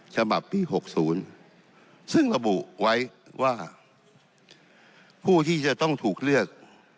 ฉบับปี๖๐ซึ่งระบุไว้ว่าผู้ที่จะต้องถูกเลือก